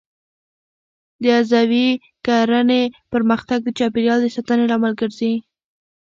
د عضوي کرنې پرمختګ د چاپیریال د ساتنې لامل ګرځي.